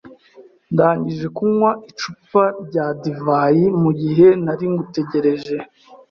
Ndangije kunywa icupa rya divayi mugihe nari ngutegereje.